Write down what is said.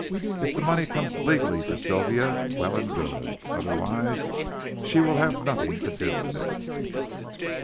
"If the money comes legally to Sylvia, well and good; otherwise she will have nothing to do with it."